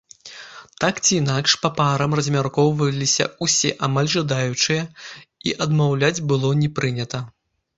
Так ці інакш, па парам размяркоўваліся ўсе амаль жадаючыя, і адмаўляць было не прынята.